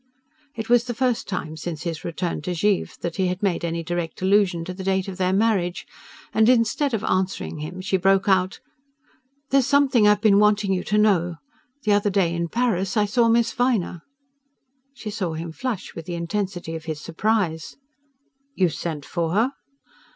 It was the first time since his return to Givre that he had made any direct allusion to the date of their marriage; and instead of answering him she broke out: "There's something I've been wanting you to know. The other day in Paris I saw Miss Viner." She saw him flush with the intensity of his surprise. "You sent for her?"